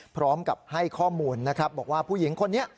พร้อมกับให้ข้อมูลนะครับบอกว่าผู้หญิงคนนี้